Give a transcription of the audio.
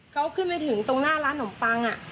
เขาขึ้นไปถึงตรงหน้าร้านนมปัง